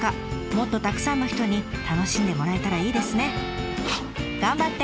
もっとたくさんの人に楽しんでもらえたらいいですね。頑張って！